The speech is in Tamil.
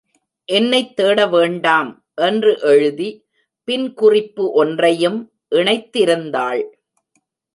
என்னைத் தேட வேண்டாம், என்று எழுதி, பின் குறிப்பு ஒன்றையும் இணைத்திருந்தாள்.